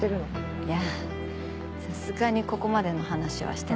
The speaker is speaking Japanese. いやさすがにここまでの話はしてない。